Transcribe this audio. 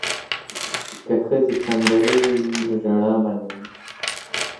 که ښځې خندرویه وي نو ژړا به نه وي.